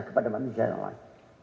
kepada manusia yang lain